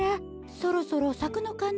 そろそろさくのかなって。